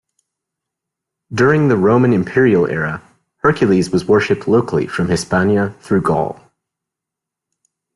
During the Roman Imperial era, Hercules was worshipped locally from Hispania through Gaul.